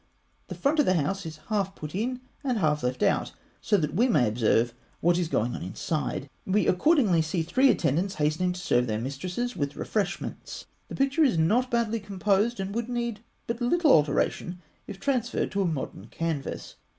The front of the house is half put in and half left out, so that we may observe what is going on inside. We accordingly see three attendants hastening to serve their mistresses with refreshments. The picture is not badly composed, and it would need but little alteration if transferred to a modern canvas.